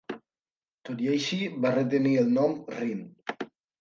Tot i així, va retenir el nom "Rin".